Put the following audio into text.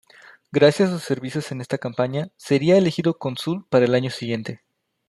Gracias a sus servicios en esta campaña sería elegido cónsul para el año siguiente.